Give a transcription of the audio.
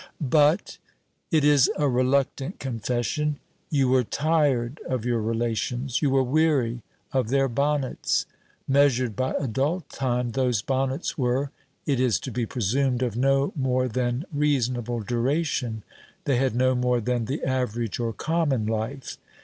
But it is a reluctant confession you were tired of your relations; you were weary of their bonnets. Measured by adult time, those bonnets were, it is to be presumed, of no more than reasonable duration; they had no more than the average or common life.